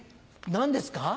何ですか？